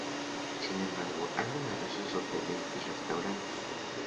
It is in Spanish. Sin embargo, hay numerosos hoteles y restaurantes.